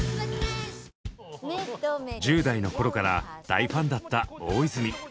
１０代の頃から大ファンだった大泉。